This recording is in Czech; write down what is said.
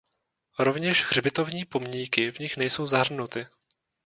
Rovněž hřbitovní pomníky v nich nejsou zahrnuty.